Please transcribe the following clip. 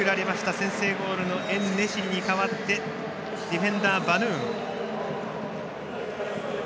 先制ゴールのエンネシリに代わってディフェンダー、バヌーン。